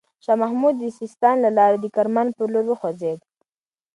شاه محمود د سیستان له لاري د کرمان پر لور وخوځېد.